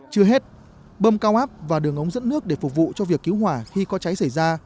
chưa hết bơm cao áp và đường ống dẫn nước để phục vụ cho việc cứu hỏa khi có cháy xảy ra